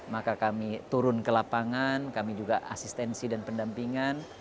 maka kami turun ke lapangan kami juga asistensi dan pendampingan